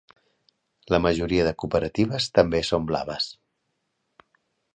La majoria de cooperatives també són blaves.